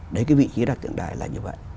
đấy cái vị trí đặt tượng đài là như vậy